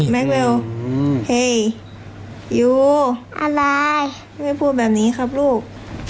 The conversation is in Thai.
แม็กเวลเฮ้ยยูไม่พูดแบบนี้ครับลูก